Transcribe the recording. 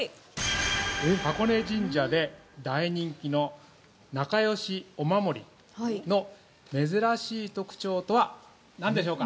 箱根神社で大人気の和合御守の珍しい特徴とは何でしょうか。